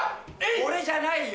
俺じゃないよ